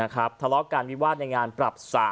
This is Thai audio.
ทะเลาะการวิวาสในงานปรับ๓